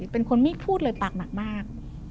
เป็นคนไม่พูดเลยปากหนักมาก